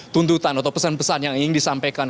tuntutan atau pesan pesan yang ingin disampaikan